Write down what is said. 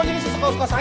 jadi suka suka saya